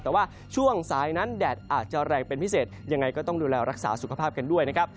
แต่ว่าช่วงสายนั้นแดดอาจจะแรงเป็นพิเศษยังไงก็ต้องดูแลรักษาสุขภาพกันด้วยนะครับ